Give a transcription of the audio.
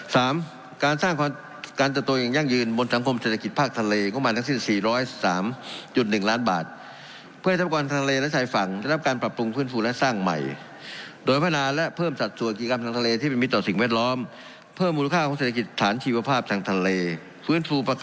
สามการสร้างการเติบโตอย่างยั่งยืนบนสังคมเศรษฐกิจภาคทะเลงบประมาณทั้งสิ้นสี่ร้อยสามจุดหนึ่งล้านบาทเพื่อให้ทรัพยากรทางทะเลและชายฝั่งได้รับการปรับปรุงฟื้นฟูและสร้างใหม่โดยพัฒนาและเพิ่มสัดส่วนกิจกรรมทางทะเลที่มีต่อสิ่งแวดล้อมเพิ่มมูลค่าของเศรษฐกิจฐานชีวภาพทางทะเลฟื้นฟูประก